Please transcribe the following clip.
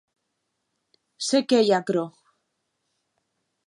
Se qué ei aquerò?